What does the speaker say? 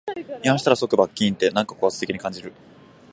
違反したら即罰金って、なんか高圧的に感じる